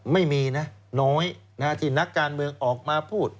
ไม่มีนะน้อยที่นักการเมืองออกมาพูด